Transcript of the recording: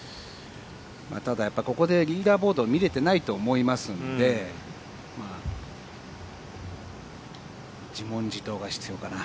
ただ、やっぱりここでリーダーボード見れてないと思いますんで自問自答が必要かな。